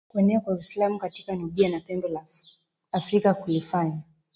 Kuenea kwa Uislamu katika Nubia na Pembe la Afrika kulifanya